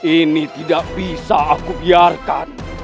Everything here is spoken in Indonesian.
ini tidak bisa aku biarkan